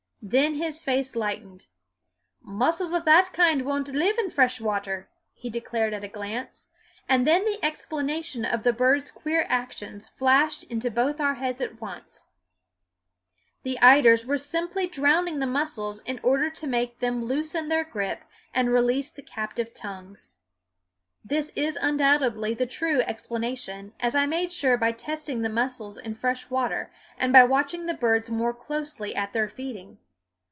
Then his face lightened. "Mussels of that kind won't live in fresh water," he declared at a glance; and then the explanation of the birds' queer actions flashed into both our heads at once: the eiders were simply drowning the mussels in order to make them loosen their grip and release the captive tongues. This is undoubtedly the true explanation, as I made sure by testing the mussels in fresh water and by watching the birds more closely at their feeding.